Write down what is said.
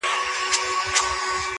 هم په عمر هم په وزن برابر وه!!